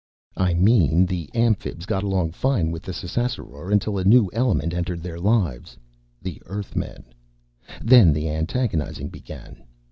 "I mean the Amphibs got along fine with the Ssassaror until a new element entered their lives the Earthmen. Then the antagonising began.